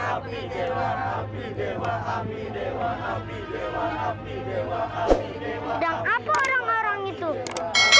sampai jumpa pada video selanjutnya